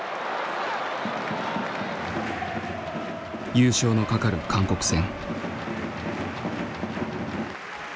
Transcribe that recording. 優勝のかかる韓国戦。